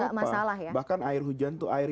itu tidak masalah ya bahkan air hujan itu air